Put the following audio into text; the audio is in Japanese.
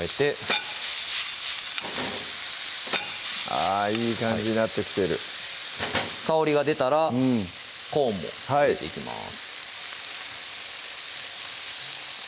あぁいい感じになってきてる香りが出たらコーンも入れていきます